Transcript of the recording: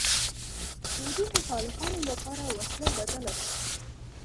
سعودي مخالفانو لپاره وسله بدله شوه